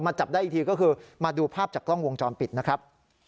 จับได้อีกทีก็คือมาดูภาพจากกล้องวงจรปิดนะครับ